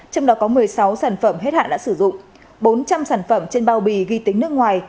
trong đó có một mươi sáu sản phẩm hết hạn đã sử dụng bốn trăm linh sản phẩm trên bao bì ghi tính nước ngoài